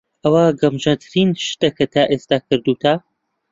ئەوە گەمژەترین شتە کە تا ئێستا کردووتە.